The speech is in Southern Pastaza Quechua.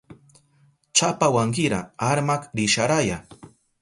Chapawankira armak risharaya.